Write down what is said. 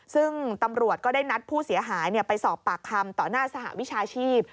ซึ่งตำรวจก็ได้นัดผู้เสียหายไปสอบปากคำต่อหน้าสหวิชาชีพ